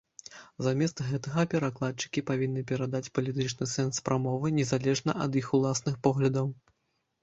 Замест гэтага перакладчыкі павінны перадаць палітычны сэнс прамовы, незалежна ад іх уласных поглядаў.